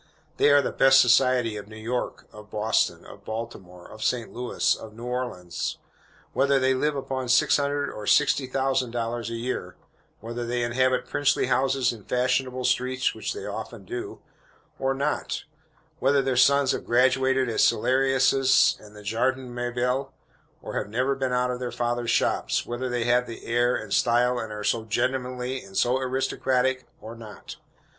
They are the "best society" of New York, of Boston, of Baltimore, of St. Louis, of New Orleans, whether they live upon six hundred or sixty thousand dollars a year whether they inhabit princely houses in fashionable streets (which they often do), or not whether their sons have graduated at Celarius's and the Jardin Mabille, or have never been out of their father's shops whether they have "air" and "style," and are "so gentlemanly" and "so aristocratic," or not.